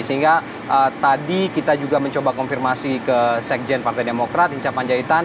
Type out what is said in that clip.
sehingga tadi kita juga mencoba konfirmasi ke sekjen partai demokrat hinca panjaitan